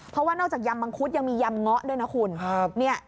เพราะว่านอกจากยำมังคุดยังมียำเงาะด้วยนะคุณ